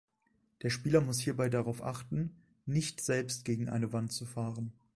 Der Spieler muss hierbei darauf achten, nicht selbst gegen eine Wand zu fahren.